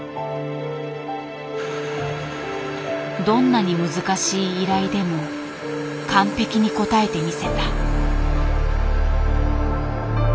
どんなに難しい依頼でも完璧に応えてみせた。